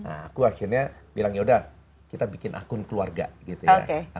aku akhirnya bilang yaudah kita bikin akun keluarga gitu ya